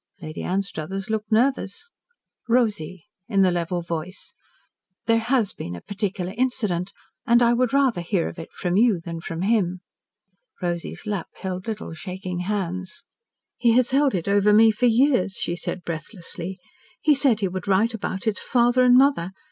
Lady Anstruthers looked nervous. "Rosy," in the level voice, "there has been a particular incident and I would rather hear of it from you than from him." Rosy's lap held little shaking hands. "He has held it over me for years," she said breathlessly. "He said he would write about it to father and mother.